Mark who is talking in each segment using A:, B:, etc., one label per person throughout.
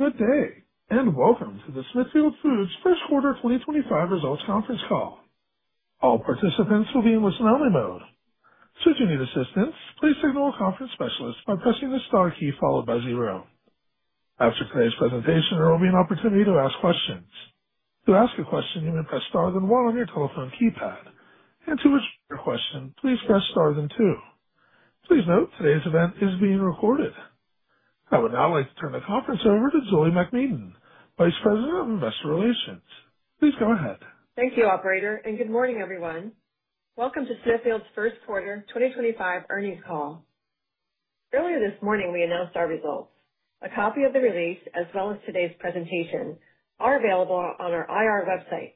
A: Good day, and welcome to the Smithfield Foods First Quarter 2025 Results Conference Call. All participants will be in listen-only mode. Should you need assistance, please signal a conference specialist by pressing the star key followed by zero. After today's presentation, there will be an opportunity to ask questions. To ask a question, you may press star then one on your telephone keypad, and to answer your question, please press star then two. Please note today's event is being recorded. I would now like to turn the conference over to Julie MacMedan, Vice President of Investor Relations. Please go ahead.
B: Thank you, Operator, and good morning, everyone. Welcome to Smithfield Foods' First Quarter 2025 Earnings Call. Earlier this morning, we announced our results. A copy of the release, as well as today's presentation, are available on our IR website,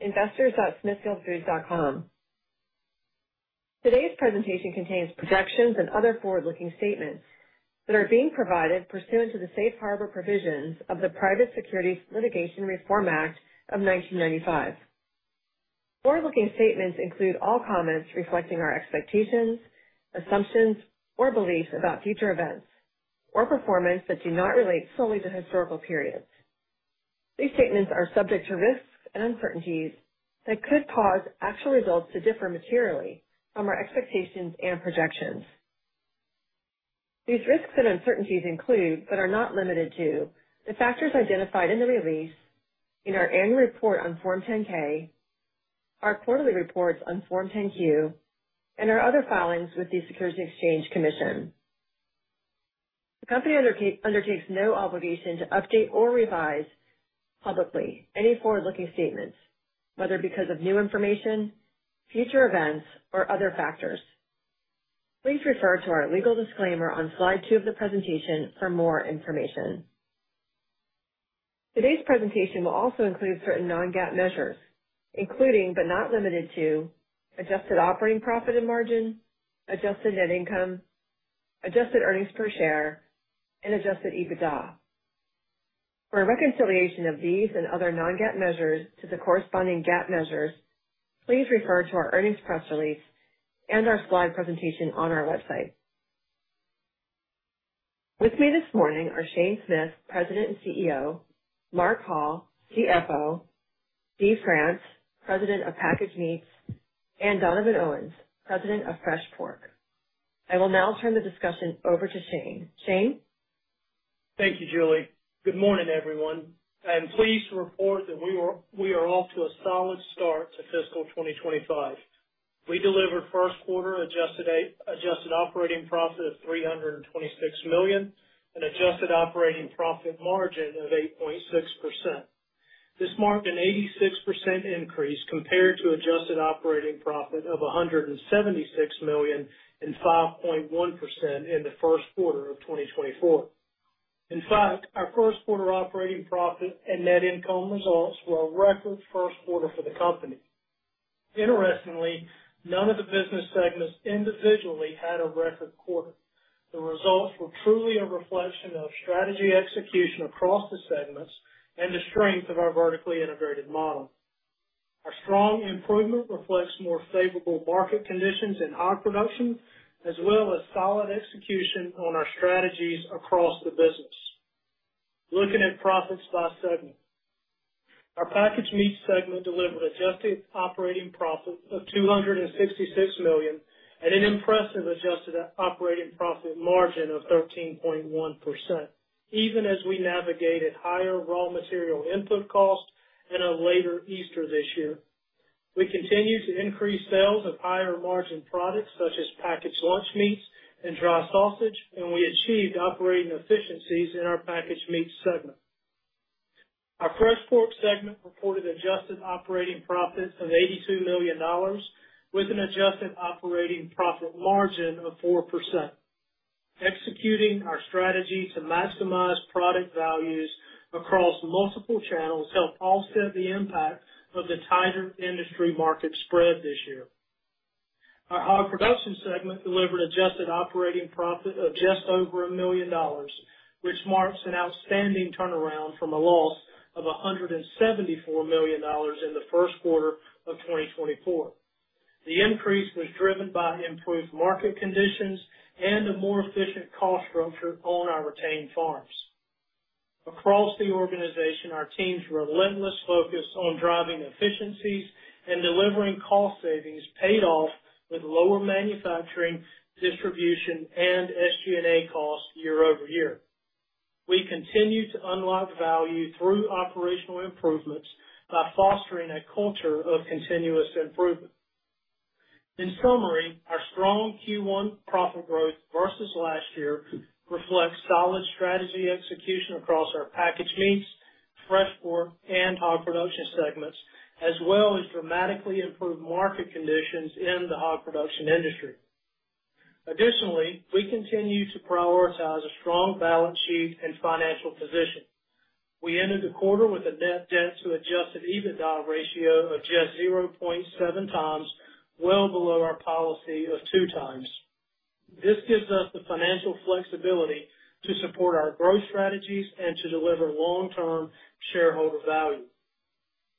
B: investors.smithfieldfoods.com. Today's presentation contains projections and other forward-looking statements that are being provided pursuant to the safe harbor provisions of the Private Securities Litigation Reform Act of 1995. Forward-looking statements include all comments reflecting our expectations, assumptions, or beliefs about future events or performance that do not relate solely to historical periods. These statements are subject to risks and uncertainties that could cause actual results to differ materially from our expectations and projections. These risks and uncertainties include, but are not limited to, the factors identified in the release, in our annual report on Form 10-K, our quarterly reports on Form 10-Q, and our other filings with the Securities and Exchange Commission. The company undertakes no obligation to update or revise publicly any forward-looking statements, whether because of new information, future events, or other factors. Please refer to our legal disclaimer on slide two of the presentation for more information. Today's presentation will also include certain non-GAAP measures, including, but not limited to, adjusted operating profit and margin, adjusted net income, adjusted earnings per share, and adjusted EBITDA. For reconciliation of these and other non-GAAP measures to the corresponding GAAP measures, please refer to our earnings press release and our slide presentation on our website. With me this morning are Shane Smith, President and CEO; Mark Hall, CFO; Steve France, President of Packaged Meats; and Donovan Owens, President of Fresh Pork. I will now turn the discussion over to Shane. Shane?
C: Thank you, Julie. Good morning, everyone. I am pleased to report that we are off to a solid start to fiscal 2025. We delivered first quarter adjusted operating profit of $326 million and adjusted operating profit margin of 8.6%. This marked an 86% increase compared to adjusted operating profit of $176 million and 5.1% in the first quarter of 2024. In fact, our first quarter operating profit and net income results were a record first quarter for the company. Interestingly, none of the business segments individually had a record quarter. The results were truly a reflection of strategy execution across the segments and the strength of our vertically integrated model. Our strong improvement reflects more favorable market conditions and hog production, as well as solid execution on our strategies across the business. Looking at profits by segment, our packaged meats segment delivered adjusted operating profit of $266 million and an impressive adjusted operating profit margin of 13.1%, even as we navigated higher raw material input costs and a later Easter this year. We continued to increase sales of higher margin products such as packaged lunch meats and dry sausage, and we achieved operating efficiencies in our packaged meats segment. Our fresh pork segment reported adjusted operating profit of $82 million with an adjusted operating profit margin of 4%. Executing our strategy to maximize product values across multiple channels helped offset the impact of the tighter industry market spread this year. Our hog production segment delivered adjusted operating profit of just over $1 million, which marks an outstanding turnaround from a loss of $174 million in the first quarter of 2024. The increase was driven by improved market conditions and a more efficient cost structure on our retained farms. Across the organization, our team's relentless focus on driving efficiencies and delivering cost savings paid off with lower manufacturing, distribution, and SG&A costs year over year. We continue to unlock value through operational improvements by fostering a culture of continuous improvement. In summary, our strong Q1 profit growth versus last year reflects solid strategy execution across our packaged meats, fresh pork, and hog production segments, as well as dramatically improved market conditions in the hog production industry. Additionally, we continue to prioritize a strong balance sheet and financial position. We ended the quarter with a net debt to adjusted EBITDA ratio of just 0.7 times, well below our policy of two times. This gives us the financial flexibility to support our growth strategies and to deliver long-term shareholder value.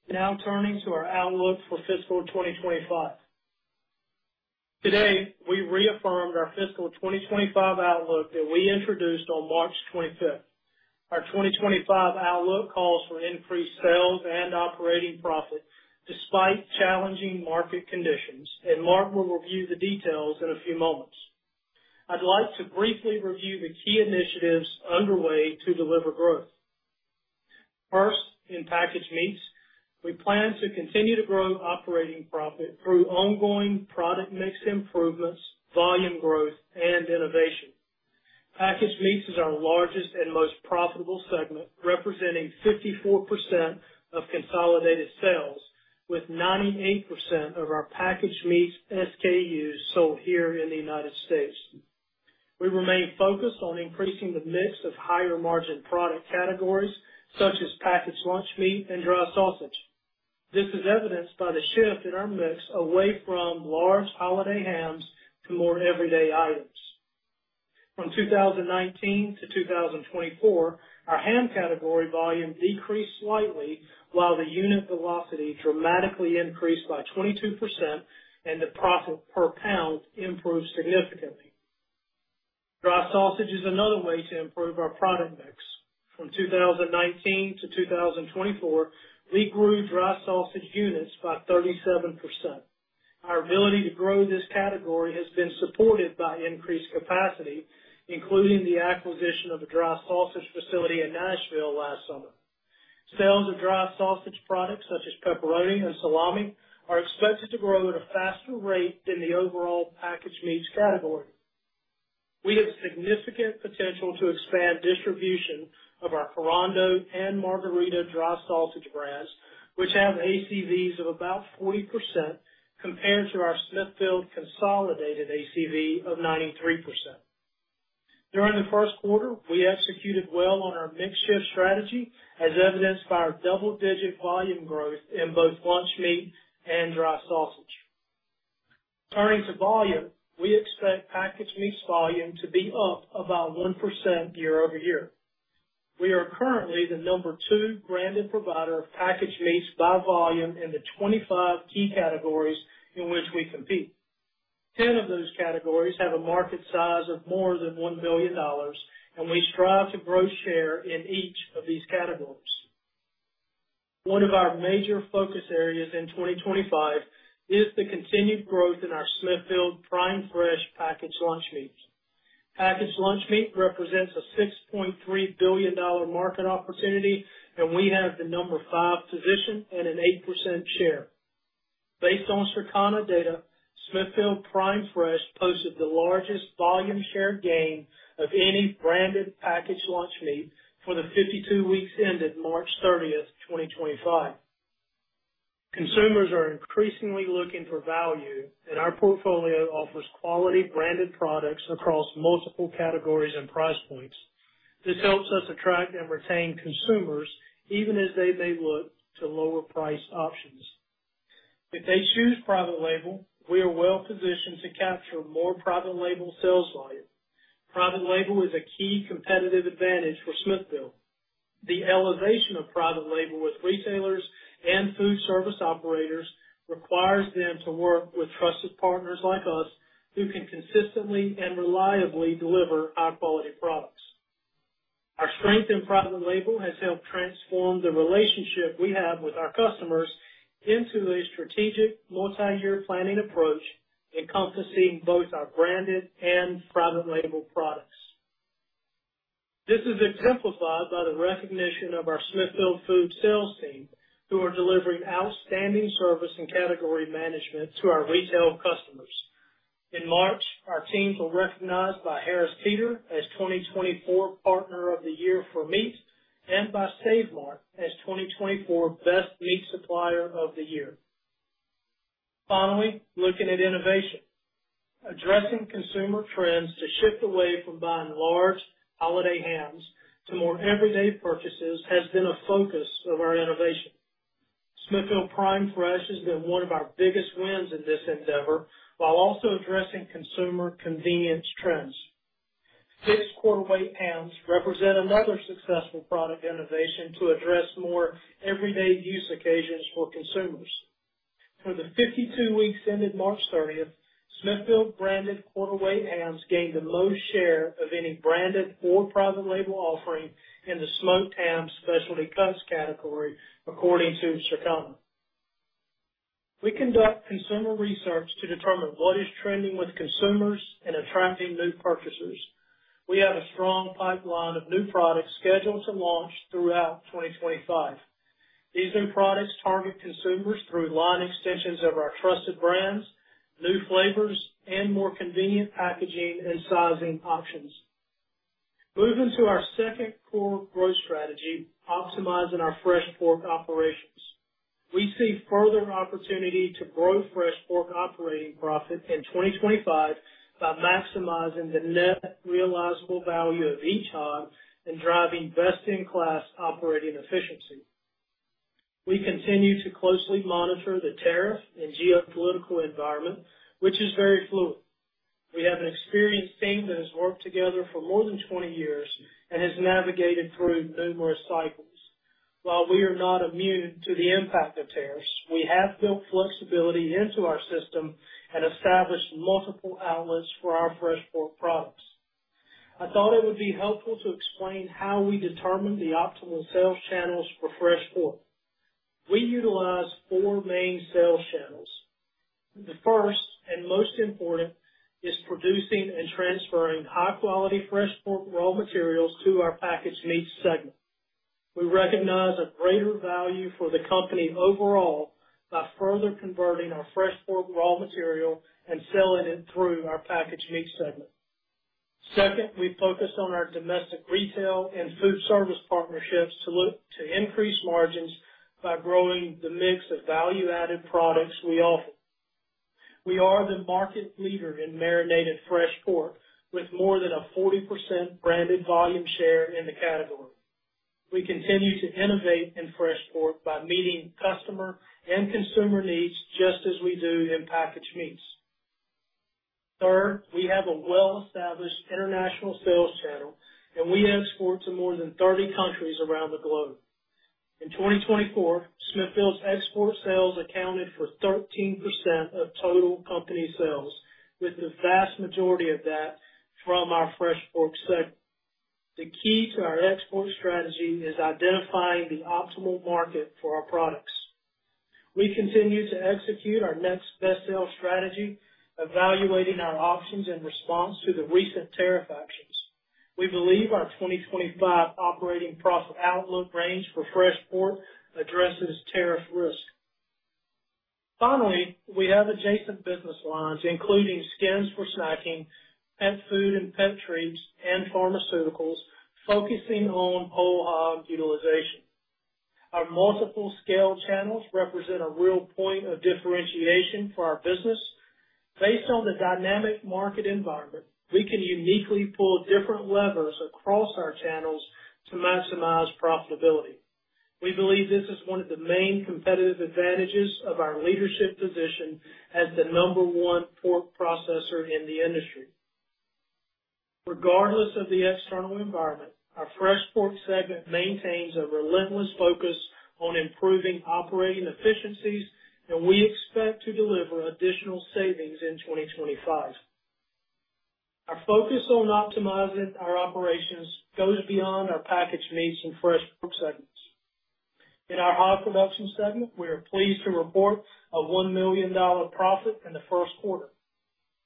C: Now turning to our outlook for fiscal 2025. Today, we reaffirmed our fiscal 2025 outlook that we introduced on March 25th. Our 2025 outlook calls for increased sales and operating profit despite challenging market conditions, and Mark will review the details in a few moments. I'd like to briefly review the key initiatives underway to deliver growth. First, in packaged meats, we plan to continue to grow operating profit through ongoing product mix improvements, volume growth, and innovation. Packaged meats is our largest and most profitable segment, representing 54% of consolidated sales, with 98% of our packaged meats SKUs sold here in the United States. We remain focused on increasing the mix of higher margin product categories such as packaged lunch meat and dry sausage. This is evidenced by the shift in our mix away from large holiday hams to more everyday items. From 2019 to 2024, our ham category volume decreased slightly, while the unit velocity dramatically increased by 22%, and the profit per pound improved significantly. Dry sausage is another way to improve our product mix. From 2019 to 2024, we grew dry sausage units by 37%. Our ability to grow this category has been supported by increased capacity, including the acquisition of a dry sausage facility in Nashville last summer. Sales of dry sausage products such as pepperoni and salami are expected to grow at a faster rate than the overall packaged meats category. We have significant potential to expand distribution of our Carando and Margherita dry sausage brands, which have ACVs of about 40% compared to our Smithfield consolidated ACV of 93%. During the first quarter, we executed well on our mixed-shift strategy, as evidenced by our double-digit volume growth in both lunch meat and dry sausage. Turning to volume, we expect packaged meats volume to be up about 1% year over year. We are currently the number two branded provider of packaged meats by volume in the 25 key categories in which we compete. Ten of those categories have a market size of more than $1 billion, and we strive to grow share in each of these categories. One of our major focus areas in 2025 is the continued growth in our Smithfield Prime Fresh packaged lunch meats. Packaged lunch meat represents a $6.3 billion market opportunity, and we have the number five position and an 8% share. Based on Circana data, Smithfield Prime Fresh posted the largest volume share gain of any branded packaged lunch meat for the 52 weeks ended March 30, 2025. Consumers are increasingly looking for value, and our portfolio offers quality branded products across multiple categories and price points. This helps us attract and retain consumers, even as they may look to lower-priced options. If they choose private label, we are well positioned to capture more private label sales volume. Private label is a key competitive advantage for Smithfield. The elevation of private label with retailers and foodservice operators requires them to work with trusted partners like us, who can consistently and reliably deliver high-quality products. Our strength in private label has helped transform the relationship we have with our customers into a strategic multi-year planning approach, encompassing both our branded and private label products. This is exemplified by the recognition of our Smithfield Foods sales team, who are delivering outstanding service and category management to our retail customers. In March, our team was recognized by Harris Teeter as 2024 Partner of the Year for meat and by Save Mart as 2024 Best Meat Supplier of the Year. Finally, looking at innovation, addressing consumer trends to shift away from buying large holiday hams to more everyday purchases has been a focus of our innovation. Smithfield Prime Fresh has been one of our biggest wins in this endeavor, while also addressing consumer convenience trends. Fixed quarter-weight hams represent another successful product innovation to address more everyday use occasions for consumers. For the 52 weeks ended March 30th, Smithfield branded quarter-weight hams gained the most share of any branded or private label offering in the smoked ham specialty cuts category, according to Circana. We conduct consumer research to determine what is trending with consumers and attracting new purchasers. We have a strong pipeline of new products scheduled to launch throughout 2025. These new products target consumers through line extensions of our trusted brands, new flavors, and more convenient packaging and sizing options. Moving to our second core growth strategy, optimizing our fresh pork operations. We see further opportunity to grow fresh pork operating profit in 2025 by maximizing the net realizable value of each hog and driving best-in-class operating efficiency. We continue to closely monitor the tariff and geopolitical environment, which is very fluid. We have an experienced team that has worked together for more than 20 years and has navigated through numerous cycles. While we are not immune to the impact of tariffs, we have built flexibility into our system and established multiple outlets for our fresh pork products. I thought it would be helpful to explain how we determine the optimal sales channels for fresh pork. We utilize four main sales channels. The first and most important is producing and transferring high-quality fresh pork raw materials to our packaged meats segment. We recognize a greater value for the company overall by further converting our fresh pork raw material and selling it through our packaged meats segment. Second, we focus on our domestic retail and foodservice partnerships to increase margins by growing the mix of value-added products we offer. We are the market leader in marinated fresh pork, with more than a 40% branded volume share in the category. We continue to innovate in fresh pork by meeting customer and consumer needs just as we do in packaged meats. Third, we have a well-established international sales channel, and we export to more than 30 countries around the globe. In 2024, Smithfield's export sales accounted for 13% of total company sales, with the vast majority of that from our fresh pork segment. The key to our export strategy is identifying the optimal market for our products. We continue to execute our next best-sell strategy, evaluating our options in response to the recent tariff actions. We believe our 2025 operating profit outlook range for fresh pork addresses tariff risk. Finally, we have adjacent business lines, including skins for snacking, pet food and pet treats, and pharmaceuticals, focusing on whole hog utilization. Our multiple scale channels represent a real point of differentiation for our business. Based on the dynamic market environment, we can uniquely pull different levers across our channels to maximize profitability. We believe this is one of the main competitive advantages of our leadership position as the number one pork processor in the industry. Regardless of the external environment, our fresh pork segment maintains a relentless focus on improving operating efficiencies, and we expect to deliver additional savings in 2025. Our focus on optimizing our operations goes beyond our packaged meats and fresh pork segments. In our hog production segment, we are pleased to report a $1 million profit in the first quarter.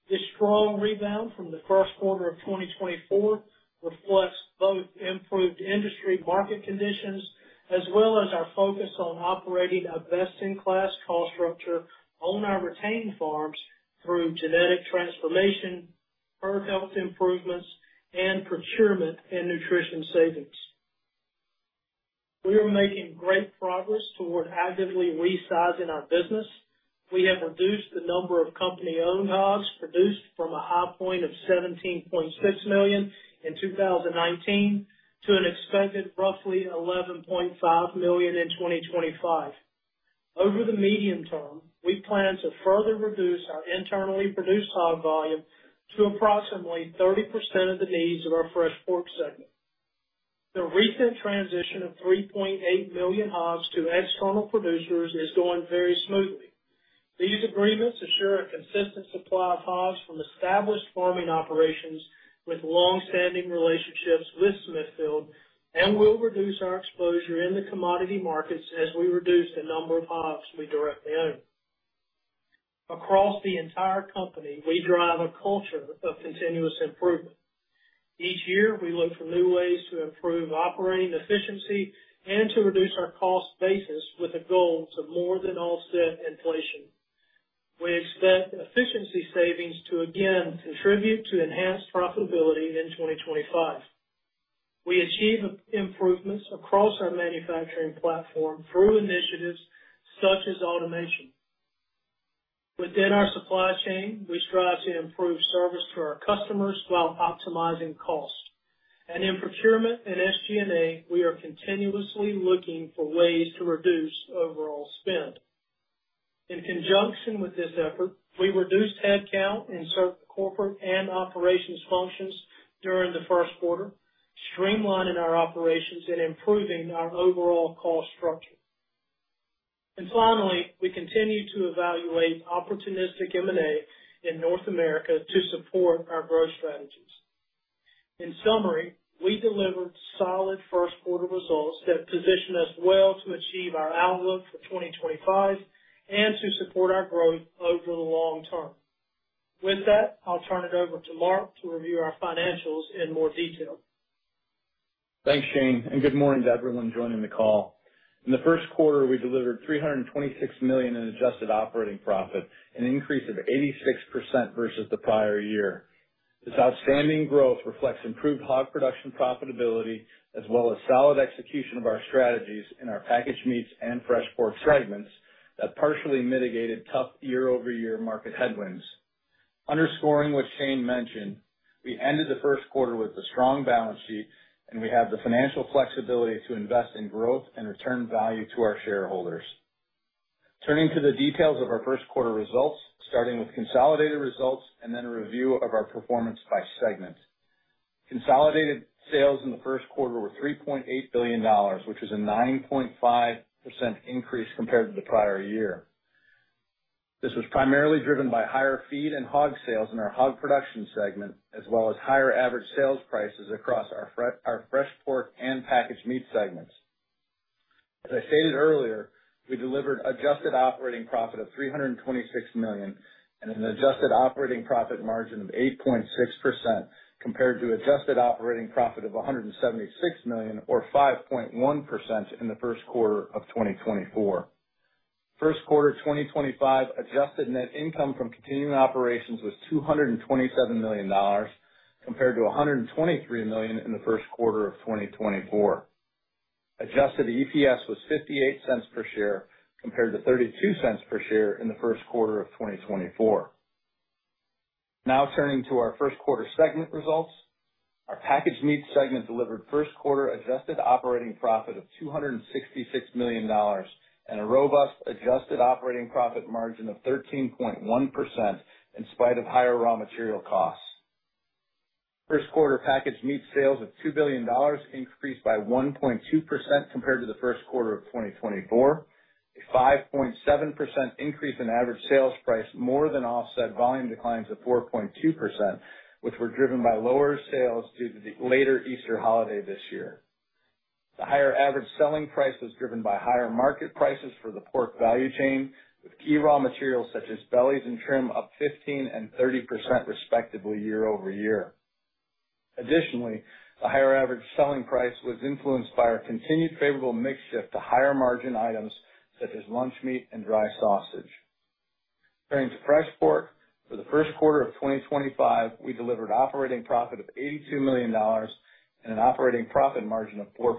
C: This strong rebound from the first quarter of 2024 reflects both improved industry market conditions as well as our focus on operating a best-in-class cost structure on our retained farms through genetic transformation, herd health improvements, and procurement and nutrition savings. We are making great progress toward actively resizing our business. We have reduced the number of company-owned hogs produced from a high point of 17.6 million in 2019 to an expected roughly 11.5 million in 2025. Over the medium term, we plan to further reduce our internally produced hog volume to approximately 30% of the needs of our fresh pork segment. The recent transition of 3.8 million hogs to external producers is going very smoothly. These agreements ensure a consistent supply of hogs from established farming operations with long-standing relationships with Smithfield and will reduce our exposure in the commodity markets as we reduce the number of hogs we directly own. Across the entire company, we drive a culture of continuous improvement. Each year, we look for new ways to improve operating efficiency and to reduce our cost basis with a goal to more than offset inflation. We expect efficiency savings to again contribute to enhanced profitability in 2025. We achieve improvements across our manufacturing platform through initiatives such as automation. Within our supply chain, we strive to improve service to our customers while optimizing costs. In procurement and SG&A, we are continuously looking for ways to reduce overall spend. In conjunction with this effort, we reduced headcount in certain corporate and operations functions during the first quarter, streamlining our operations and improving our overall cost structure. Finally, we continue to evaluate opportunistic M&A in North America to support our growth strategies. In summary, we delivered solid first-quarter results that position us well to achieve our outlook for 2025 and to support our growth over the long term. With that, I'll turn it over to Mark to review our financials in more detail.
D: Thanks, Shane, and good morning to everyone joining the call. In the first quarter, we delivered $326 million in adjusted operating profit, an increase of 86% versus the prior year. This outstanding growth reflects improved hog production profitability as well as solid execution of our strategies in our packaged meats and fresh pork segments that partially mitigated tough year-over-year market headwinds. Underscoring what Shane mentioned, we ended the first quarter with a strong balance sheet, and we have the financial flexibility to invest in growth and return value to our shareholders. Turning to the details of our first-quarter results, starting with consolidated results and then a review of our performance by segment. Consolidated sales in the first quarter were $3.8 billion, which was a 9.5% increase compared to the prior year. This was primarily driven by higher feed and hog sales in our hog production segment, as well as higher average sales prices across our fresh pork and packaged meats segments. As I stated earlier, we delivered adjusted operating profit of $326 million and an adjusted operating profit margin of 8.6% compared to adjusted operating profit of $176 million, or 5.1%, in the first quarter of 2024. First quarter 2025 adjusted net income from continuing operations was $227 million compared to $123 million in the first quarter of 2024. Adjusted EPS was $0.58 per share compared to $0.32 per share in the first quarter of 2024. Now turning to our first-quarter segment results, our packaged meats segment delivered first-quarter adjusted operating profit of $266 million and a robust adjusted operating profit margin of 13.1% in spite of higher raw material costs. First quarter packaged meats sales of $2 billion increased by 1.2% compared to the first quarter of 2024. A 5.7% increase in average sales price more than offset volume declines of 4.2%, which were driven by lower sales due to the later Easter holiday this year. The higher average selling price was driven by higher market prices for the pork value chain, with key raw materials such as bellies and trim up 15% and 30% respectively year over year. Additionally, the higher average selling price was influenced by our continued favorable mix shift to higher margin items such as lunch meat and dry sausage. Turning to fresh pork, for the first quarter of 2025, we delivered operating profit of $82 million and an operating profit margin of 4%.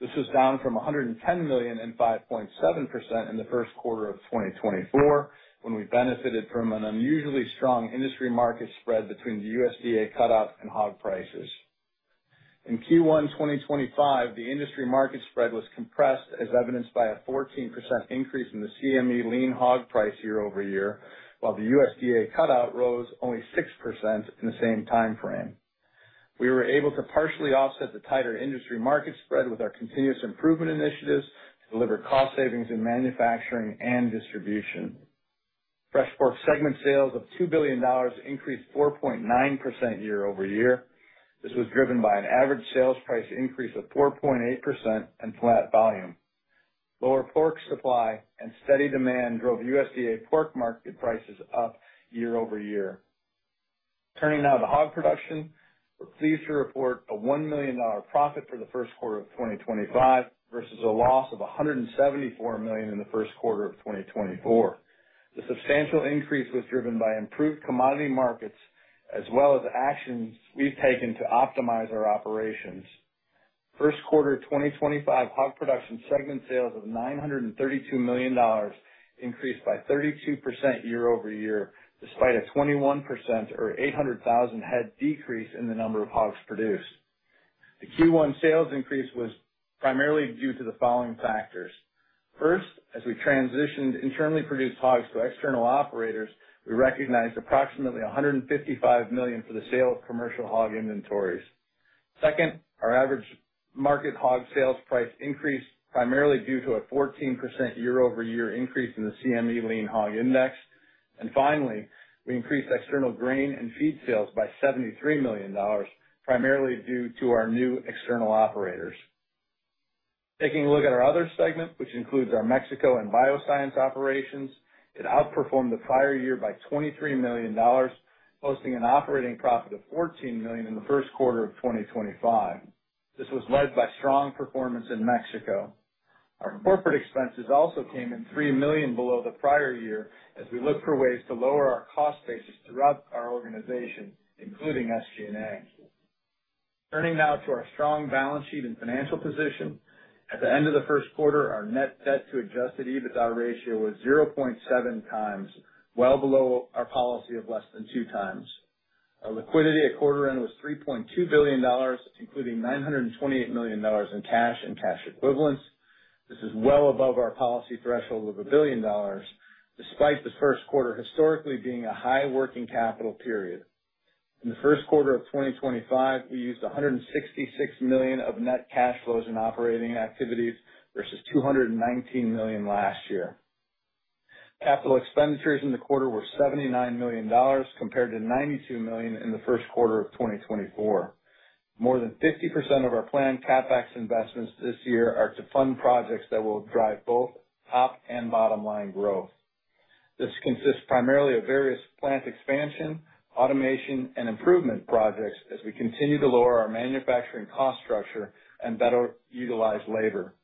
D: This was down from $110 million and 5.7% in the first quarter of 2024 when we benefited from an unusually strong industry market spread between the USDA cutout and hog prices. In Q1 2025, the industry market spread was compressed, as evidenced by a 14% increase in the CME lean hog price year over year, while the USDA cutout rose only 6% in the same timeframe. We were able to partially offset the tighter industry market spread with our continuous improvement initiatives to deliver cost savings in manufacturing and distribution. Fresh pork segment sales of $2 billion increased 4.9% year over year. This was driven by an average sales price increase of 4.8% and flat volume. Lower pork supply and steady demand drove USDA pork market prices up year over year. Turning now to hog production, we're pleased to report a $1 million profit for the first quarter of 2025 versus a loss of $174 million in the first quarter of 2024. The substantial increase was driven by improved commodity markets as well as actions we've taken to optimize our operations. First quarter 2025 hog production segment sales of $932 million increased by 32% year over year despite a 21% or 800,000 head decrease in the number of hogs produced. The Q1 sales increase was primarily due to the following factors. First, as we transitioned internally produced hogs to external operators, we recognized approximately $155 million for the sale of commercial hog inventories. Second, our average market hog sales price increased primarily due to a 14% year-over-year increase in the CME lean hog index. Finally, we increased external grain and feed sales by $73 million, primarily due to our new external operators. Taking a look at our other segment, which includes our Mexico and bioscience operations, it outperformed the prior year by $23 million, posting an operating profit of $14 million in the first quarter of 2025. This was led by strong performance in Mexico. Our corporate expenses also came in $3 million below the prior year as we looked for ways to lower our cost basis throughout our organization, including SG&A. Turning now to our strong balance sheet and financial position. At the end of the first quarter, our net debt to adjusted EBITDA ratio was 0.7 times, well below our policy of less than 2 times. Our liquidity at quarter end was $3.2 billion, including $928 million in cash and cash equivalents. This is well above our policy threshold of $1 billion, despite the first quarter historically being a high working capital period. In the first quarter of 2025, we used $166 million of net cash flows in operating activities versus $219 million last year. Capital expenditures in the quarter were $79 million compared to $92 million in the first quarter of 2024. More than 50% of our planned CapEx investments this year are to fund projects that will drive both top and bottom line growth. This consists primarily of various plant expansion, automation, and improvement projects as we continue to lower our manufacturing cost structure and better utilize labor.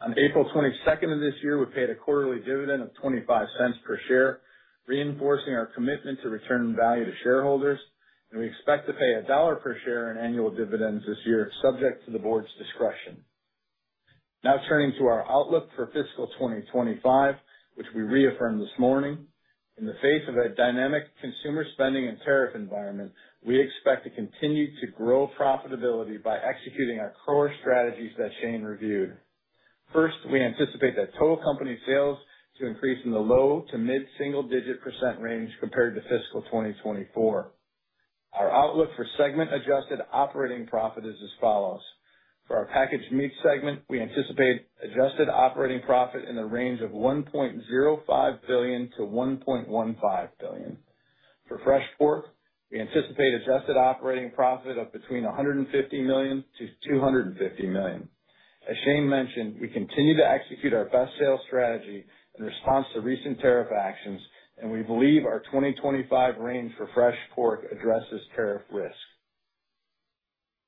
D: On April 22nd of this year, we paid a quarterly dividend of $0.25 per share, reinforcing our commitment to return value to shareholders. We expect to pay a dollar per share in annual dividends this year, subject to the board's discretion. Now turning to our outlook for fiscal 2025, which we reaffirmed this morning. In the face of a dynamic consumer spending and tariff environment, we expect to continue to grow profitability by executing our core strategies that Shane reviewed. First, we anticipate that total company sales to increase in the low to mid single-digit % range compared to fiscal 2024. Our outlook for segment-adjusted operating profit is as follows. For our packaged meats segment, we anticipate adjusted operating profit in the range of $1.05 billion-$1.15 billion. For fresh pork, we anticipate adjusted operating profit of between $150 million and $250 million. As Shane mentioned, we continue to execute our best sales strategy in response to recent tariff actions, and we believe our 2025 range for fresh pork addresses tariff risk.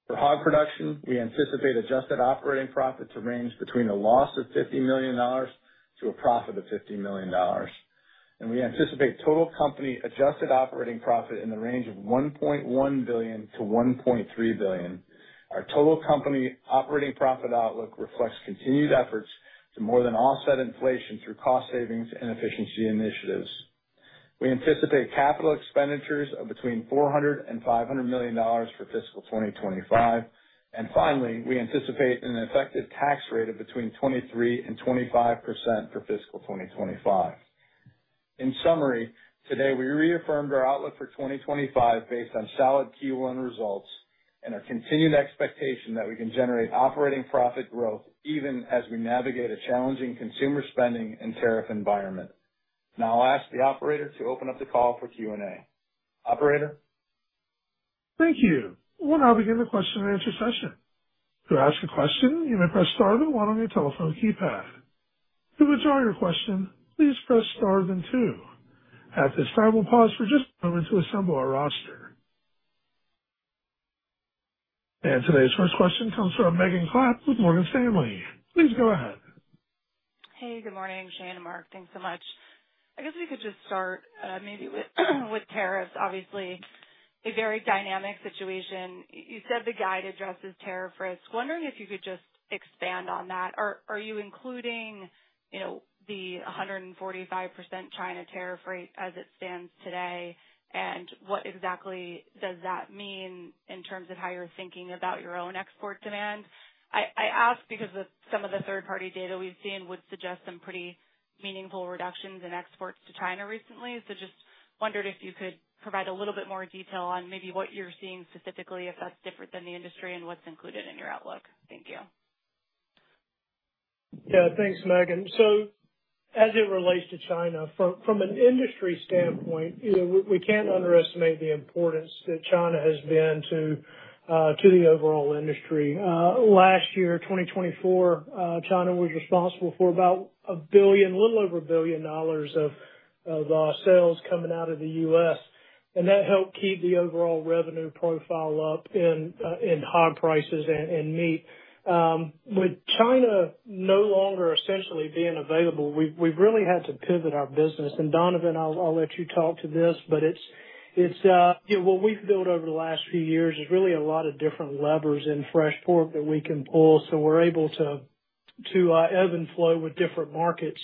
D: For hog production, we anticipate adjusted operating profit to range between a loss of $50 million to a profit of $50 million. We anticipate total company adjusted operating profit in the range of $1.1 billion-$1.3 billion. Our total company operating profit outlook reflects continued efforts to more than offset inflation through cost savings and efficiency initiatives. We anticipate capital expenditures of between $400 million and $500 million for fiscal 2025. Finally, we anticipate an effective tax rate of between 23% and 25% for fiscal 2025. In summary, today we reaffirmed our outlook for 2025 based on solid Q1 results and our continued expectation that we can generate operating profit growth even as we navigate a challenging consumer spending and tariff environment. Now I'll ask the operator to open up the call for Q&A. Operator?
A: Thank you. We'll now begin the question-and-answer session. To ask a question, you may press star and one on your telephone keypad. To withdraw your question, please press star then two. At this time, we'll pause for just a moment to assemble our roster. Today's first question comes from Megan Clapp with Morgan Stanley. Please go ahead.
E: Hey, good morning, Shane and Mark. Thanks so much. I guess we could just start maybe with tariffs. Obviously, a very dynamic situation. You said the guide addresses tariff risk. Wondering if you could just expand on that. Are you including the 145% China tariff rate as it stands today, and what exactly does that mean in terms of how you're thinking about your own export demand? I ask because some of the third-party data we've seen would suggest some pretty meaningful reductions in exports to China recently. Just wondered if you could provide a little bit more detail on maybe what you're seeing specifically, if that's different than the industry, and what's included in your outlook. Thank you.
C: Yeah, thanks, Megan. As it relates to China, from an industry standpoint, we can't underestimate the importance that China has been to the overall industry. Last year, 2024, China was responsible for about a billion, a little over a billion dollars of sales coming out of the U.S. That helped keep the overall revenue profile up in hog prices and meat. With China no longer essentially being available, we have really had to pivot our business. Donovan, I will let you talk to this, but what we have built over the last few years is really a lot of different levers in fresh pork that we can pull so we are able to ebb and flow with different markets.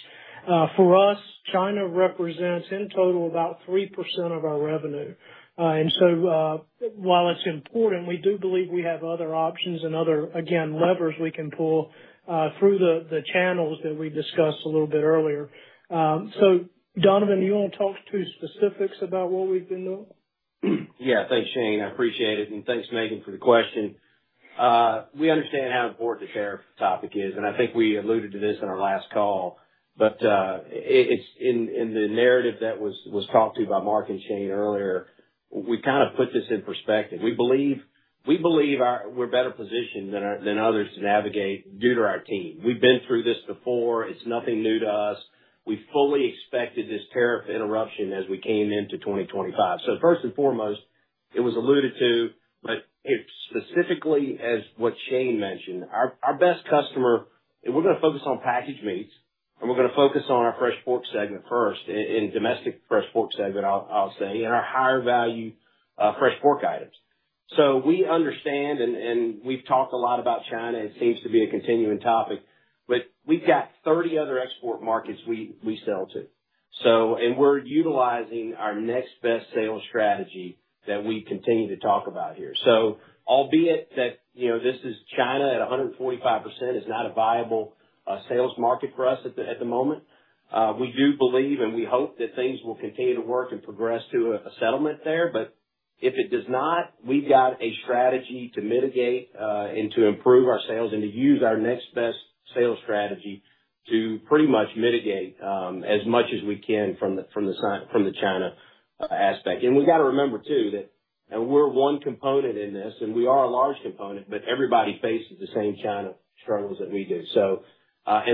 C: For us, China represents in total about 3% of our revenue. While it is important, we do believe we have other options and other, again, levers we can pull through the channels that we discussed a little bit earlier. Donovan, do you want to talk to specifics about what we have been doing?
F: Yeah, thanks, Shane. I appreciate it. Thanks, Megan, for the question. We understand how important the tariff topic is, and I think we alluded to this in our last call. In the narrative that was talked to by Mark and Shane earlier, we kind of put this in perspective. We believe we're better positioned than others to navigate due to our team. We've been through this before. It's nothing new to us. We fully expected this tariff interruption as we came into 2025. First and foremost, it was alluded to, but specifically as what Shane mentioned, our best customer, we're going to focus on packaged meats, and we're going to focus on our fresh pork segment first, in domestic fresh pork segment, I'll say, and our higher value fresh pork items. We understand, and we've talked a lot about China. It seems to be a continuing topic, but we've got 30 other export markets we sell to. We're utilizing our next best sales strategy that we continue to talk about here. Albeit that this is China at 145% is not a viable sales market for us at the moment, we do believe and we hope that things will continue to work and progress to a settlement there. If it does not, we've got a strategy to mitigate and to improve our sales and to use our next best sales strategy to pretty much mitigate as much as we can from the China aspect. We've got to remember too that we're one component in this, and we are a large component, but everybody faces the same China struggles that we do.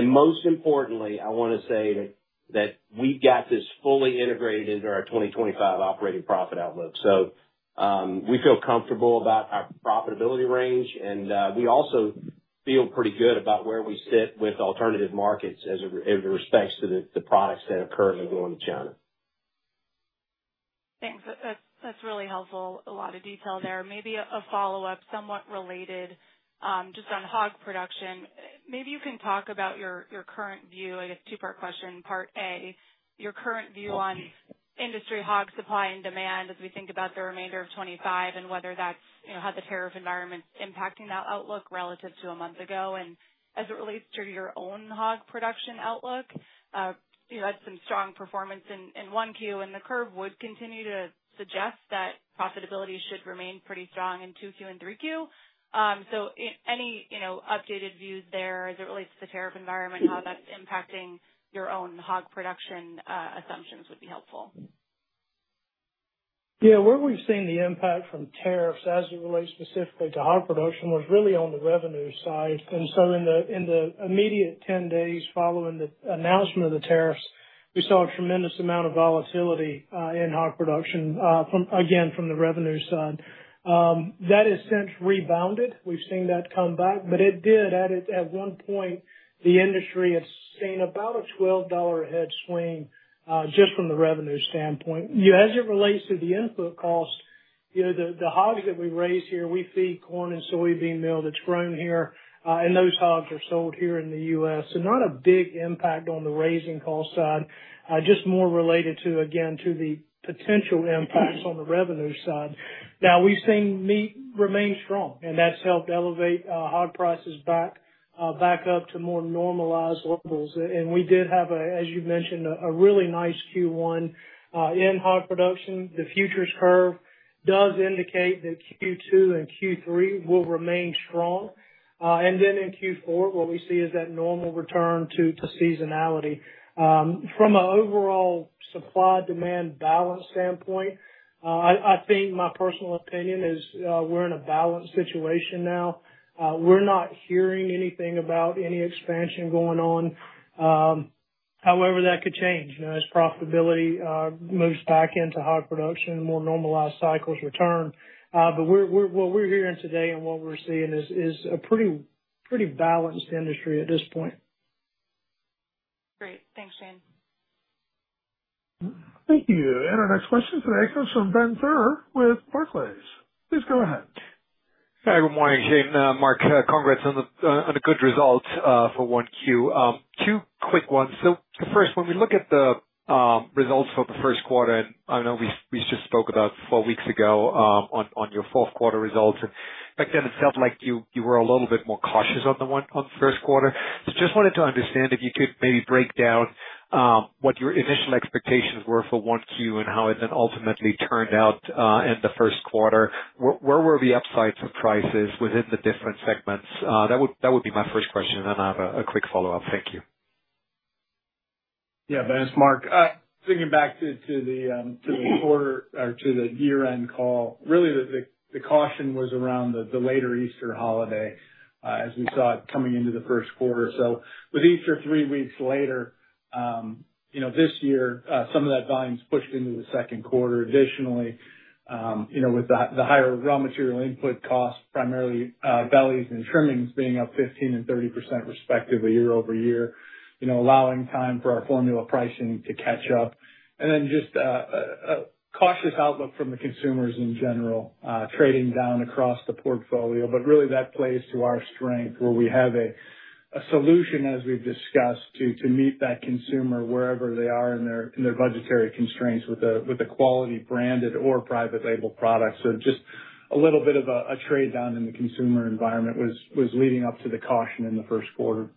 F: Most importantly, I want to say that we've got this fully integrated into our 2025 operating profit outlook. We feel comfortable about our profitability range, and we also feel pretty good about where we sit with alternative markets as it respects to the products that are currently going to China.
E: Thanks. That's really helpful. A lot of detail there. Maybe a follow-up somewhat related just on hog production. Maybe you can talk about your current view, I guess two-part question, part A, your current view on industry hog supply and demand as we think about the remainder of 2025 and whether that's how the tariff environment's impacting that outlook relative to a month ago. As it relates to your own hog production outlook, you had some strong performance in 1Q, and the curve would continue to suggest that profitability should remain pretty strong in 2Q and 3Q. Any updated views there as it relates to the tariff environment, how that's impacting your own hog production assumptions would be helpful.
C: Yeah. Where we've seen the impact from tariffs as it relates specifically to hog production was really on the revenue side. In the immediate 10 days following the announcement of the tariffs, we saw a tremendous amount of volatility in hog production, again, from the revenue side. That has since rebounded. We've seen that come back, but it did at one point, the industry had seen about a $12 a head swing just from the revenue standpoint. As it relates to the input cost, the hogs that we raise here, we feed corn and soybean meal that's grown here, and those hogs are sold here in the U.S. Not a big impact on the raising cost side, just more related to, again, to the potential impacts on the revenue side. Now, we've seen meat remain strong, and that's helped elevate hog prices back up to more normalized levels. We did have, as you mentioned, a really nice Q1 in hog production. The futures curve does indicate that Q2 and Q3 will remain strong. In Q4, what we see is that normal return to seasonality. From an overall supply-demand balance standpoint, I think my personal opinion is we're in a balanced situation now. We're not hearing anything about any expansion going on. However, that could change as profitability moves back into hog production and more normalized cycles return. What we're hearing today and what we're seeing is a pretty balanced industry at this point.
E: Great. Thanks, Shane.
A: Thank you. Our next question today comes from Ben Theurer with Barclays. Please go ahead.
G: Hi, good morning, Shane. Mark, congrats on a good result for 1Q. Two quick ones. The first, when we look at the results for the first quarter, and I know we just spoke about four weeks ago on your fourth quarter results, and back then it felt like you were a little bit more cautious on the first quarter. Just wanted to understand if you could maybe break down what your initial expectations were for 1Q and how it then ultimately turned out in the first quarter. Where were the upsides of prices within the different segments? That would be my first question, and then I have a quick follow-up. Thank you.
D: Yeah, thanks, Mark. Thinking back to the quarter or to the year-end call, really the caution was around the later Easter holiday as we saw it coming into the first quarter. With Easter three weeks later this year, some of that volume's pushed into the second quarter. Additionally, with the higher raw material input costs, primarily bellies and trimmings being up 15% and 30% respectively year over year, allowing time for our formula pricing to catch up. Just a cautious outlook from the consumers in general, trading down across the portfolio. That really plays to our strength where we have a solution, as we've discussed, to meet that consumer wherever they are in their budgetary constraints with a quality branded or private label product. Just a little bit of a trade down in the consumer environment was leading up to the caution in the first quarter.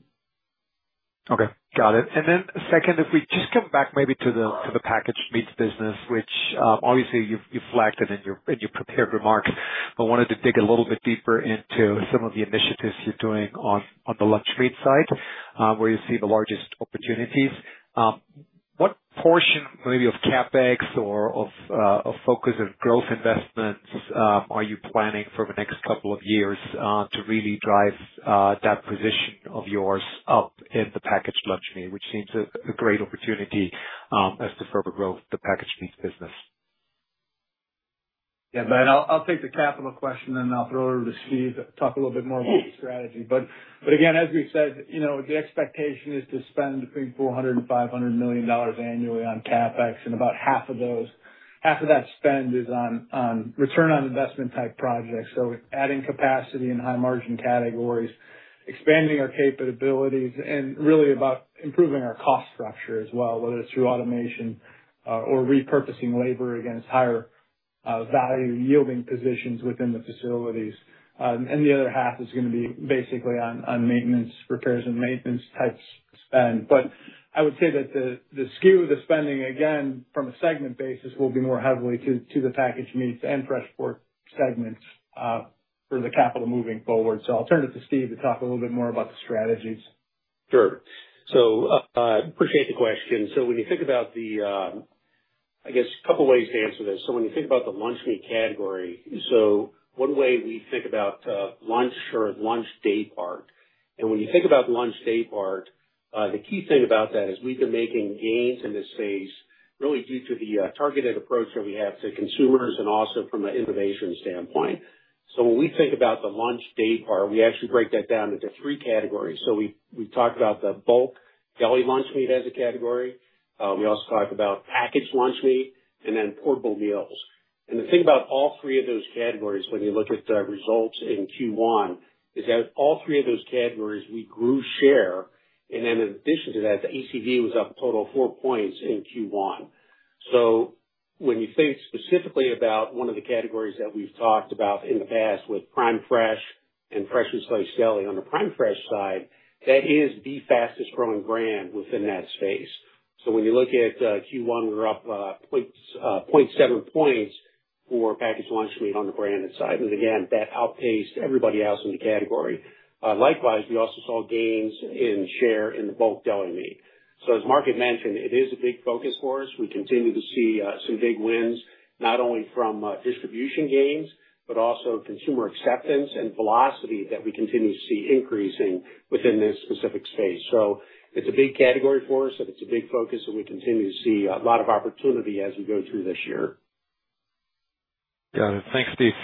G: Okay. Got it. Then second, if we just come back maybe to the packaged meats business, which obviously you've flagged it in your prepared remarks, but wanted to dig a little bit deeper into some of the initiatives you're doing on the lunch meat side where you see the largest opportunities. What portion maybe of CapEx or of focus and growth investments are you planning for the next couple of years to really drive that position of yours up in the packaged lunch meat, which seems a great opportunity as to further growth of the packaged meats business?
D: Yeah, Ben, I'll take the capital question, and I'll throw it over to Steve to talk a little bit more about the strategy. As we said, the expectation is to spend between $400 million and $500 million annually on CapEx, and about half of that spend is on return on investment type projects. Adding capacity in high-margin categories, expanding our capabilities, and really about improving our cost structure as well, whether it is through automation or repurposing labor against higher value yielding positions within the facilities. The other half is going to be basically on maintenance, repairs and maintenance types spend. I would say that the skew of the spending, again, from a segment basis will be more heavily to the packaged meats and fresh pork segments for the capital moving forward. I will turn it to Steve to talk a little bit more about the strategies.
H: Sure. Appreciate the question. When you think about the, I guess, a couple of ways to answer this. When you think about the lunch meat category, one way we think about lunch or lunch day part. When you think about lunch day part, the key thing about that is we've been making gains in this phase really due to the targeted approach that we have to consumers and also from an innovation standpoint. When we think about the lunch day part, we actually break that down into three categories. We talk about the bulk deli lunch meat as a category. We also talk about packaged lunch meat and then portable meals. The thing about all three of those categories when you look at the results in Q1 is that all three of those categories we grew share. In addition to that, the ACV was up a total of four points in Q1. When you think specifically about one of the categories that we've talked about in the past with Prime Fresh and freshly sliced deli, on the Prime Fresh side, that is the fastest growing brand within that space. When you look at Q1, we were up 0.7 percentage points for packaged lunch meat on the branded side. Again, that outpaced everybody else in the category. Likewise, we also saw gains in share in the bulk deli meat. As Mark had mentioned, it is a big focus for us. We continue to see some big wins, not only from distribution gains, but also consumer acceptance and velocity that we continue to see increasing within this specific space. It is a big category for us, and it is a big focus, and we continue to see a lot of opportunity as we go through this year.
G: Got it. Thanks, Steve.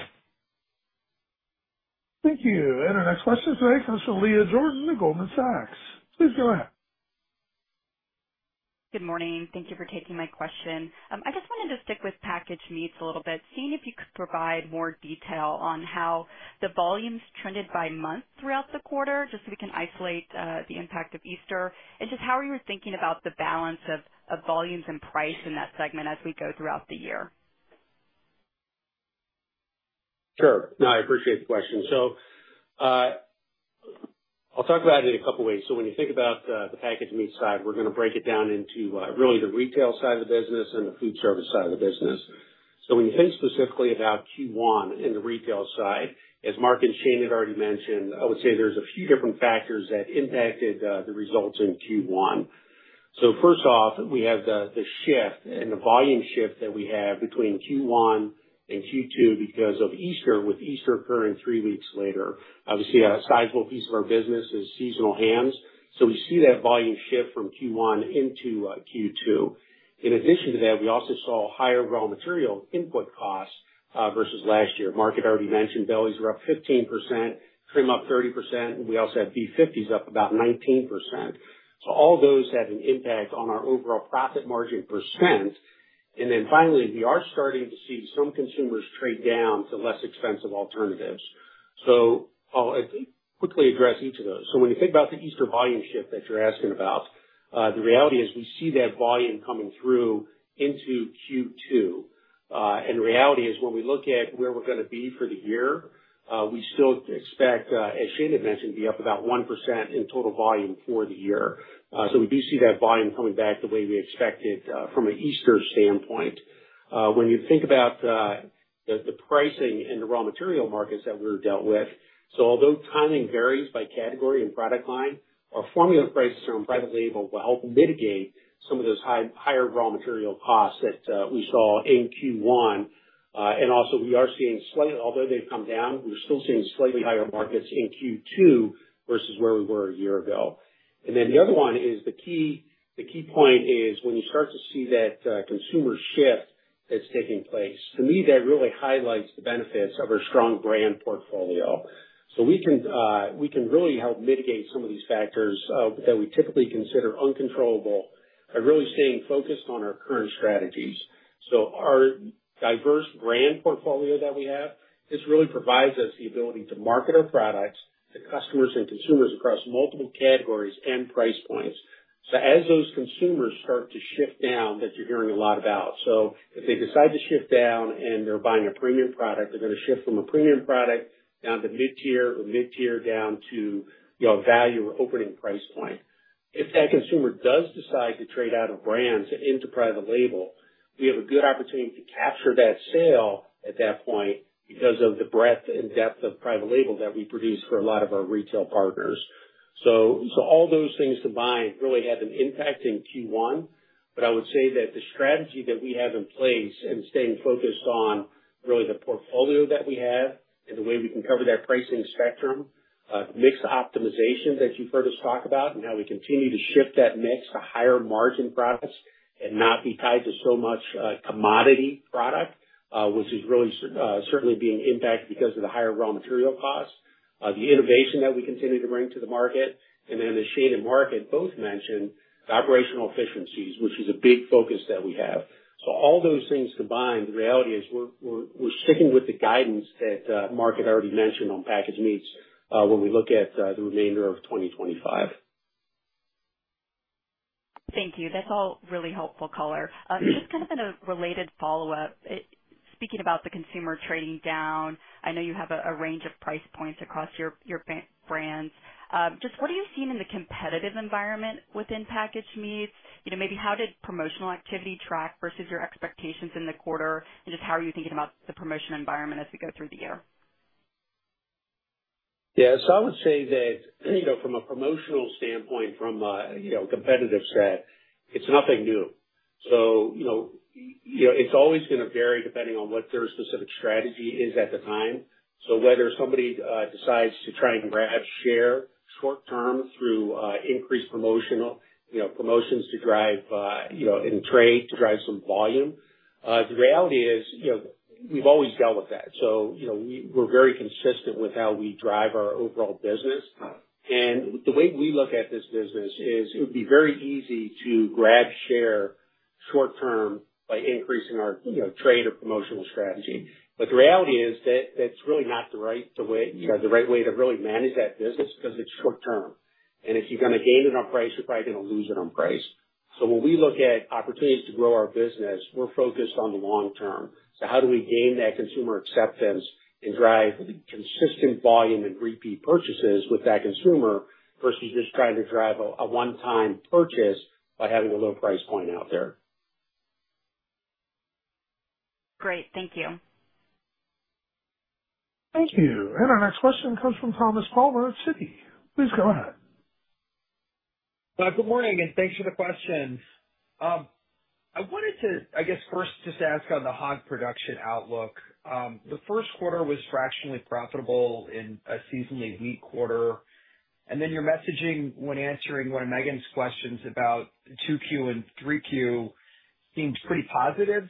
A: Thank you. Our next question is from Leah Jordan at Goldman Sachs. Please go ahead.
I: Good morning. Thank you for taking my question. I just wanted to stick with packaged meats a little bit, seeing if you could provide more detail on how the volumes trended by month throughout the quarter, just so we can isolate the impact of Easter, and just how you were thinking about the balance of volumes and price in that segment as we go throughout the year.
H: Sure. No, I appreciate the question. I'll talk about it in a couple of ways. When you think about the packaged meat side, we're going to break it down into really the retail side of the business and the foodservice side of the business. When you think specifically about Q1 and the retail side, as Mark and Shane had already mentioned, I would say there's a few different factors that impacted the results in Q1. First off, we have the shift and the volume shift that we have between Q1 and Q2 because of Easter, with Easter occurring three weeks later. Obviously, a sizable piece of our business is seasonal hams. We see that volume shift from Q1 into Q2. In addition to that, we also saw higher raw material input costs versus last year. Mark had already mentioned bellies were up 15%, trim up 30%, and we also had B50s up about 19%. All those have an impact on our overall profit margin percent. Finally, we are starting to see some consumers trade down to less expensive alternatives. I'll quickly address each of those. When you think about the Easter volume shift that you're asking about, the reality is we see that volume coming through into Q2. The reality is when we look at where we're going to be for the year, we still expect, as Shane had mentioned, to be up about 1% in total volume for the year. We do see that volume coming back the way we expected from an Easter standpoint. When you think about the pricing and the raw material markets that we've dealt with, although timing varies by category and product line, our formula prices on private label will help mitigate some of those higher raw material costs that we saw in Q1. Also, we are seeing slightly, although they've come down, we're still seeing slightly higher markets in Q2 versus where we were a year ago. The other one is the key point is when you start to see that consumer shift that's taking place. To me, that really highlights the benefits of our strong brand portfolio. We can really help mitigate some of these factors that we typically consider uncontrollable by really staying focused on our current strategies. Our diverse brand portfolio that we have really provides us the ability to market our products to customers and consumers across multiple categories and price points. As those consumers start to shift down that you're hearing a lot about, if they decide to shift down and they're buying a premium product, they're going to shift from a premium product down to mid-tier or mid-tier down to value or opening price point. If that consumer does decide to trade out of brands into private label, we have a good opportunity to capture that sale at that point because of the breadth and depth of private label that we produce for a lot of our retail partners. All those things combined really have an impact in Q1, but I would say that the strategy that we have in place and staying focused on really the portfolio that we have and the way we can cover that pricing spectrum, mixed optimization that you've heard us talk about, and how we continue to shift that mix to higher margin products and not be tied to so much commodity product, which is really certainly being impacted because of the higher raw material costs, the innovation that we continue to bring to the market, and then as Shane and Mark had both mentioned, the operational efficiencies, which is a big focus that we have. All those things combined, the reality is we're sticking with the guidance that Mark had already mentioned on packaged meats when we look at the remainder of 2025.
I: Thank you. That's all really helpful color. Just kind of in a related follow-up, speaking about the consumer trading down, I know you have a range of price points across your brands. Just what are you seeing in the competitive environment within packaged meats? Maybe how did promotional activity track versus your expectations in the quarter? Just how are you thinking about the promotion environment as we go through the year?
H: Yeah. I would say that from a promotional standpoint, from a competitive set, it's nothing new. It's always going to vary depending on what their specific strategy is at the time. Whether somebody decides to try and grab share short-term through increased promotions to drive in trade to drive some volume, the reality is we've always dealt with that. We're very consistent with how we drive our overall business. The way we look at this business is it would be very easy to grab share short-term by increasing our trade or promotional strategy. The reality is that that's really not the right way to really manage that business because it's short-term. If you're going to gain it on price, you're probably going to lose it on price. When we look at opportunities to grow our business, we're focused on the long-term. How do we gain that consumer acceptance and drive consistent volume and repeat purchases with that consumer versus just trying to drive a one-time purchase by having a low price point out there?
I: Great. Thank you.
A: Thank you. Our next question comes from Thomas Palmer at Citi. Please go ahead.
J: Good morning, and thanks for the question. I wanted to, I guess, first just ask on the hog production outlook. The first quarter was fractionally profitable in a seasonally weak quarter. Your messaging when answering one of Megan's questions about 2Q and 3Q seemed pretty positive.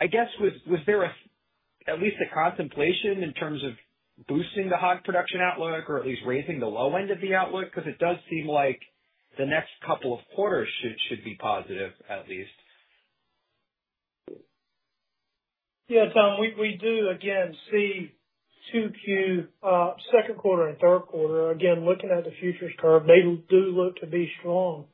J: I guess, was there at least a contemplation in terms of boosting the hog production outlook or at least raising the low end of the outlook? It does seem like the next couple of quarters should be positive, at least.
C: Yeah. We do, again, see 2Q, second quarter, and third quarter. Again, looking at the futures curve, they do look to be strong.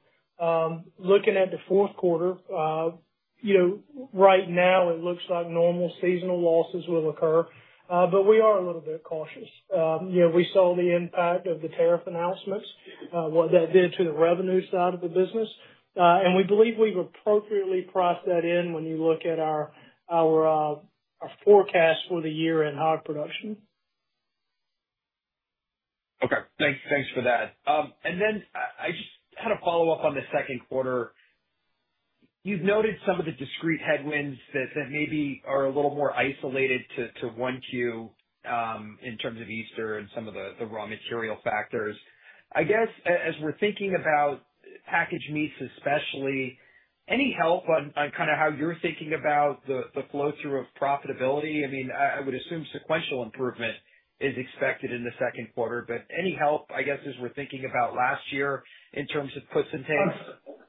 C: Looking at the fourth quarter, right now, it looks like normal seasonal losses will occur, but we are a little bit cautious. We saw the impact of the tariff announcements, what that did to the revenue side of the business. We believe we've appropriately priced that in when you look at our forecast for the year in hog production.
J: Thanks for that. I just had a follow-up on the second quarter. You've noted some of the discrete headwinds that maybe are a little more isolated to 1Q in terms of Easter and some of the raw material factors. I guess, as we're thinking about packaged meats especially, any help on kind of how you're thinking about the flow through of profitability? I mean, I would assume sequential improvement is expected in the second quarter, but any help, I guess, as we're thinking about last year in terms of puts and takes?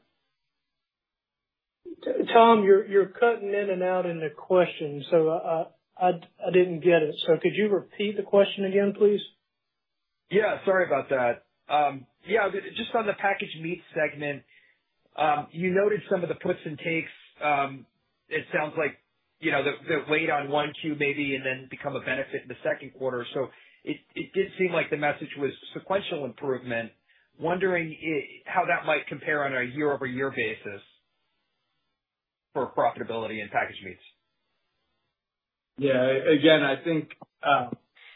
C: Tom, you're cutting in and out in the question, so I didn't get it. Could you repeat the question again, please?
J: Yeah. Sorry about that. Yeah. Just on the packaged meat segment, you noted some of the puts and takes. It sounds like the wait on 1Q maybe and then become a benefit in the second quarter. It did seem like the message was sequential improvement. Wondering how that might compare on a year-over-year basis for profitability in packaged meats.
H: Yeah. Again, I think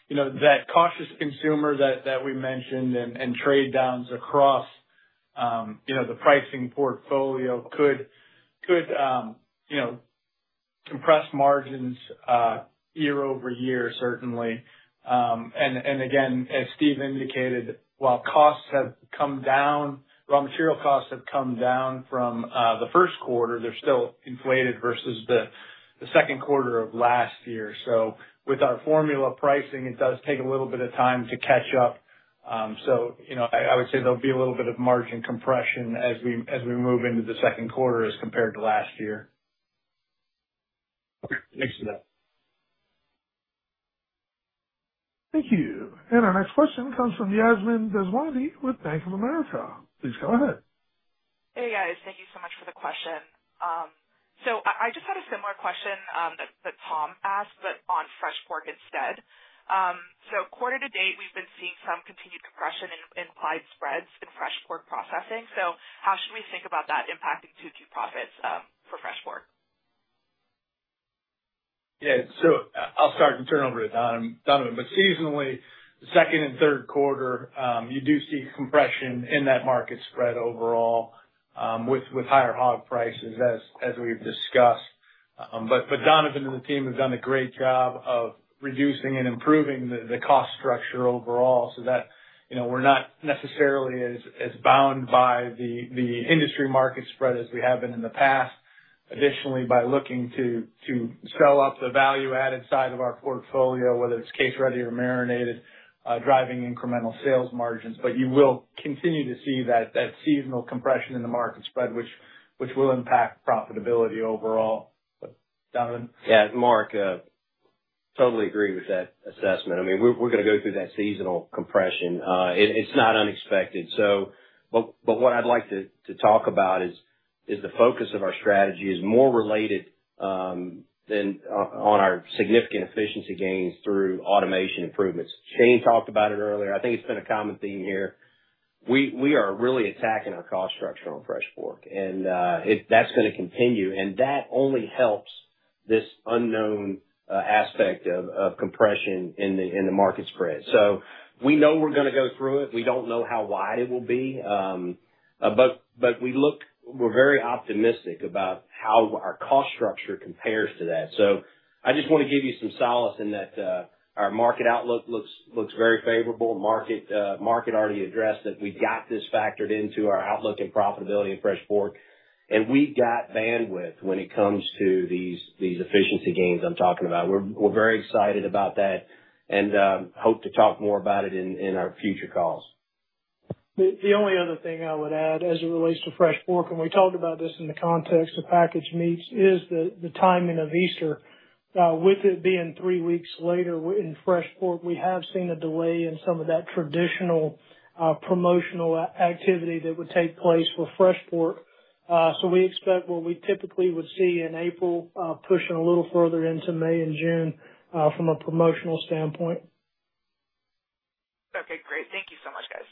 H: that cautious consumer that we mentioned and trade downs across the pricing portfolio could compress margins year-over-year, certainly. Again, as Steve indicated, while costs have come down, raw material costs have come down from the first quarter. They're still inflated versus the second quarter of last year. With our formula pricing, it does take a little bit of time to catch up. I would say there'll be a little bit of margin compression as we move into the second quarter as compared to last year.
J: Okay. Thanks for that.
A: Thank you. Our next question comes from Yasmine Deswandhy with Bank of America. Please go ahead.
K: Hey, guys. Thank you so much for the question. I just had a similar question that Tom asked, but on fresh pork instead. Quarter to date, we've been seeing some continued compression in wide spreads in fresh pork processing. How should we think about that impacting 2Q profits for fresh pork?
D: Yeah. I'll start and turn over to Donovan. Seasonally, second and third quarter, you do see compression in that market spread overall with higher hog prices, as we've discussed. Donovan and the team have done a great job of reducing and improving the cost structure overall so that we're not necessarily as bound by the industry market spread as we have been in the past. Additionally, by looking to sell up the value-added side of our portfolio, whether it's case-ready or marinated, driving incremental sales margins. You will continue to see that seasonal compression in the market spread, which will impact profitability overall. Donovan?
F: Yeah. Mark, totally agree with that assessment. I mean, we're going to go through that seasonal compression. It's not unexpected. What I'd like to talk about is the focus of our strategy is more related on our significant efficiency gains through automation improvements. Shane talked about it earlier. I think it's been a common theme here. We are really attacking our cost structure on fresh pork, and that's going to continue. That only helps this unknown aspect of compression in the market spread. We know we're going to go through it. We don't know how wide it will be. We are very optimistic about how our cost structure compares to that. I just want to give you some solace in that our market outlook looks very favorable. Mark had already addressed that we got this factored into our outlook and profitability in fresh pork. We have bandwidth when it comes to these efficiency gains I am talking about. We are very excited about that and hope to talk more about it in our future calls.
C: The only other thing I would add as it relates to fresh pork, and we talked about this in the context of packaged meats, is the timing of Easter. With it being three weeks later in fresh pork, we have seen a delay in some of that traditional promotional activity that would take place for fresh pork. We expect what we typically would see in April, pushing a little further into May and June from a promotional standpoint.
K: Okay. Great. Thank you so much, guys.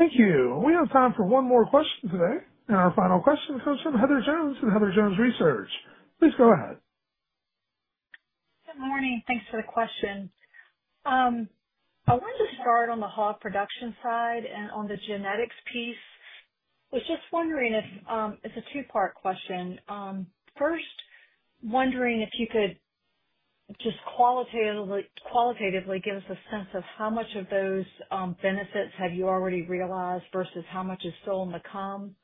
A: Thank you. We have time for one more question today. Our final question comes from Heather Jones at Heather Jones Research. Please go ahead.
L: Good morning. Thanks for the question. I wanted to start on the hog production side and on the genetics piece. I was just wondering if it's a two-part question. First, wondering if you could just qualitatively give us a sense of how much of those benefits have you already realized versus how much is still on the come.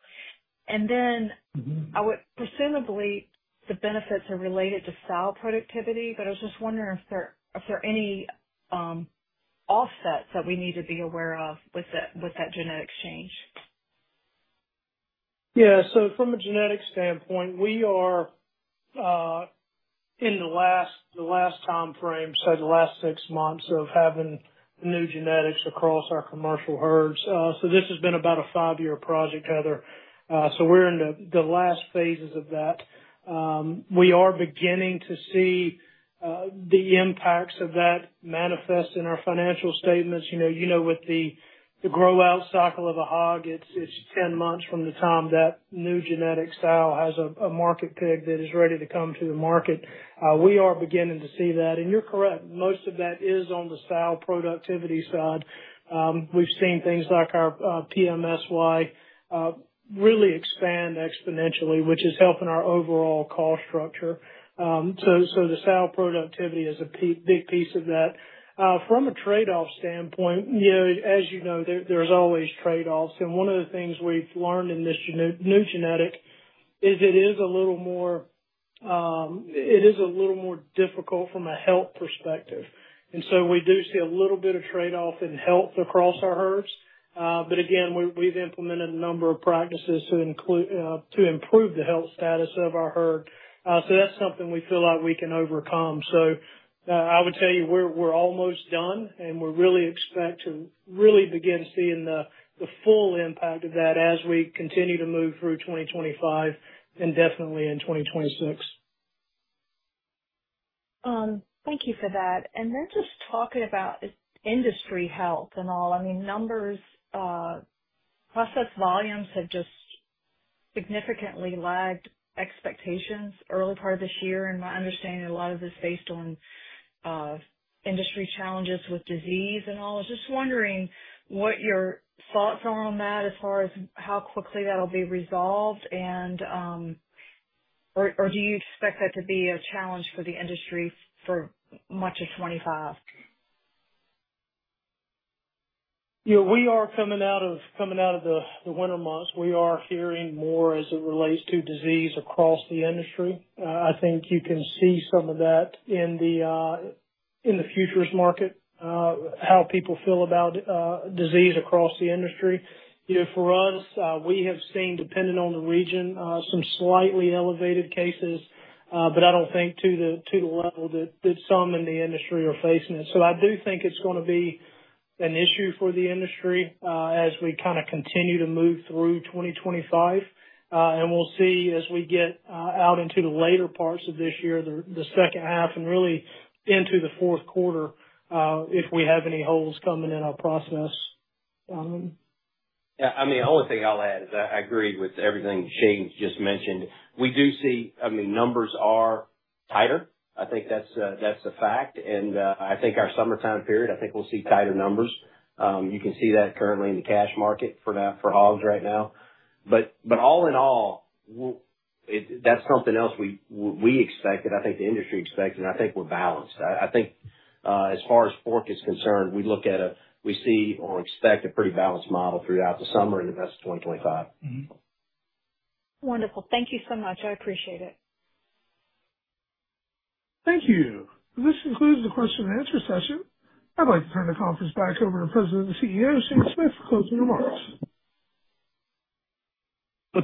L: Then presumably, the benefits are related to sow productivity, but I was just wondering if there are any offsets that we need to be aware of with that genetics change.
C: Yeah. From a genetic standpoint, we are in the last time frame, so the last six months of having new genetics across our commercial herds. This has been about a five-year project, Heather. We are in the last phases of that. We are beginning to see the impacts of that manifest in our financial statements. You know, with the grow-out cycle of a hog, it's 10 months from the time that new genetic style has a market pig that is ready to come to the market. We are beginning to see that. And you're correct. Most of that is on the sow productivity side. We've seen things like our PMSY really expand exponentially, which is helping our overall cost structure. The sow productivity is a big piece of that. From a trade-off standpoint, as you know, there's always trade-offs. One of the things we've learned in this new genetic is it is a little more difficult from a health perspective. We do see a little bit of trade-off in health across our herds. Again, we've implemented a number of practices to improve the health status of our herd. That's something we feel like we can overcome. I would tell you we're almost done, and we really expect to really begin seeing the full impact of that as we continue to move through 2025 and definitely in 2026.
L: Thank you for that. Just talking about industry health and all, I mean, numbers, process volumes have just significantly lagged expectations early part of this year. My understanding, a lot of this is based on industry challenges with disease and all. I was just wondering what your thoughts are on that as far as how quickly that'll be resolved, or do you expect that to be a challenge for the industry for much of 2025?
C: We are coming out of the winter months. We are hearing more as it relates to disease across the industry. I think you can see some of that in the futures market, how people feel about disease across the industry. For us, we have seen, depending on the region, some slightly elevated cases, but I don't think to the level that some in the industry are facing it. I do think it's going to be an issue for the industry as we kind of continue to move through 2025. We will see as we get out into the later parts of this year, the second half, and really into the fourth quarter if we have any holes coming in our process.
H: Yeah. I mean, the only thing I'll add is I agree with everything Shane just mentioned. We do see, I mean, numbers are tighter. I think that's a fact. I think our summertime period, I think we'll see tighter numbers. You can see that currently in the cash market for hogs right now. All in all, that's something else we expected, I think the industry expected, and I think we're balanced. I think as far as pork is concerned, we look at a, we see or expect a pretty balanced model throughout the summer and the rest of 2025.
L: Wonderful. Thank you so much. I appreciate it.
A: Thank you. This concludes the question and answer session. I'd like to turn the conference back over to President and CEO Shane Smith for closing remarks.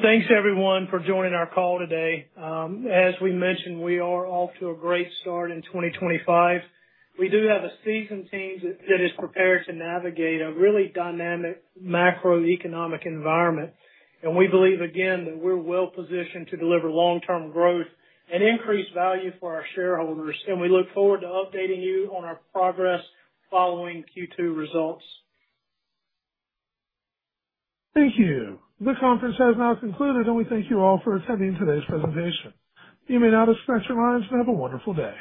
C: Thanks, everyone, for joining our call today. As we mentioned, we are off to a great start in 2025. We do have a seasoned team that is prepared to navigate a really dynamic macroeconomic environment. We believe, again, that we're well-positioned to deliver long-term growth and increased value for our shareholders. We look forward to updating you on our progress following Q2 results.
A: Thank you. The conference has now concluded, and we thank you all for attending today's presentation. You may now disconnect your lines and have a wonderful day.